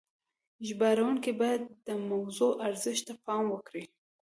ژباړونکي باید د موضوع ارزښت ته پام وکړي.